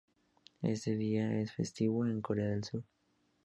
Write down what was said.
Este día es festivo en Corea del Sur.